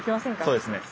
そうですね。